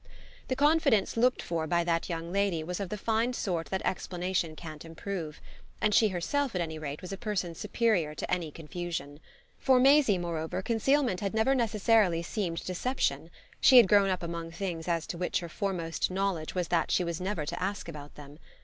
The confidence looked for by that young lady was of the fine sort that explanation can't improve, and she herself at any rate was a person superior to any confusion. For Maisie moreover concealment had never necessarily seemed deception; she had grown up among things as to which her foremost knowledge was that she was never to ask about them.